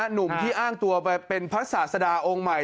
หนุ่มที่อ้างตัวไปเป็นพระศาสดาองค์ใหม่